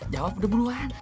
jawab udah duluan